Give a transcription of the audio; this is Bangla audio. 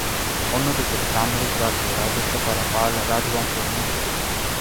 অন্যদিকে, কামরূপ রাজ্য রাজত্ব করা পাল রাজবংশ হিন্দু ছিল।